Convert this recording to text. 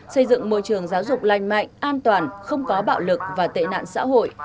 xây dựng môi trường giáo dục lành mạnh an toàn không có bạo lực và tệ nạn xã hội